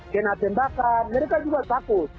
kena tembakan mereka juga takut